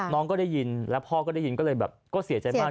น้องก็ได้ยินแล้วพ่อก็ได้ยินก็เลยแบบก็เสียใจมาก